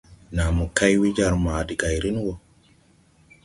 Nàa mo kay we jar ma de gayrin wɔ.